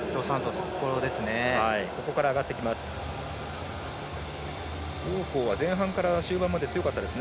そこから上がってきます。